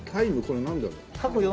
これなんだろう？